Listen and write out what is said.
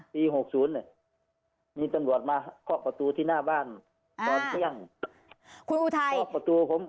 ปี๖๐มีตำรวจมาเข้าประตูที่หน้าบ้านตอนเที่ยง